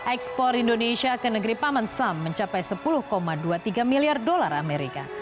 ekspor indonesia ke negeri paman sam mencapai sepuluh dua puluh tiga miliar dolar amerika